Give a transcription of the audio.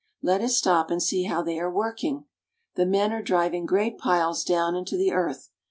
Let us stop and see how they are working. The men are driving great piles down into the earth.